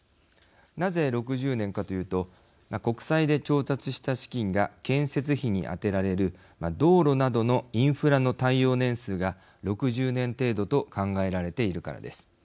なぜ、６０年かというと国債で調達した資金が建設費に充てられる道路などのインフラの耐用年数が６０年程度と考えられているからです。